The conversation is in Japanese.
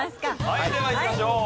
はいではいきましょう。